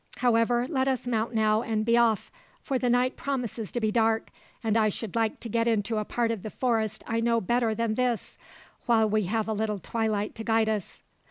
However, let us mount now and be off, for the night promises to be dark, and I should like to get into a part of the forest I know better than this while we have a little twilight to guide us."